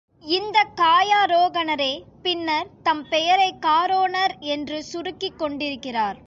இந்தக் காயாரோகணரே பின்னர் தம் பெயரைக் காரோணர் என்று சுருக்கிக் கொண்டிருக்கிறார்.